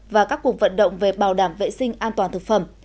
và các cuộc vận động về bảo đảm vệ sinh an toàn thực phẩm